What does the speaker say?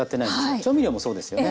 調味料もそうですよね。